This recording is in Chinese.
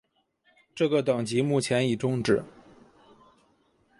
这个等级目前已终止。